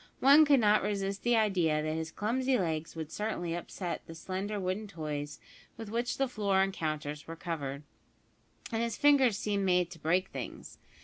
One could not resist the idea that his clumsy legs would certainly upset the slender wooden toys with which the floor and counters were covered, and his fingers seemed made to break things.